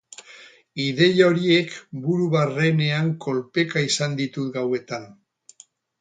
Ideia horiek buru barrenean kolpeka izan ditut gauetan.